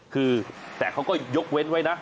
คือแต่เขาก็ยกเว้นไว้นะ